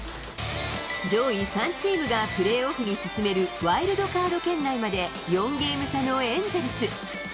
上位３チームがプレーオフに進めるワイルドカード圏内まで４ゲーム差のエンゼルス。